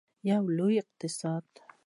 یو لوی اقتصاد.